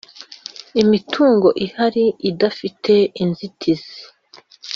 imitungo ihari idafite inzitizi